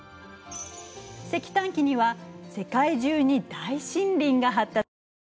石炭紀には世界中に大森林が発達。